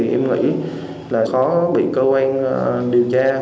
em nghĩ là khó bị cơ quan điều tra